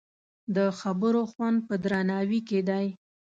د خبرو خوند په درناوي کې دی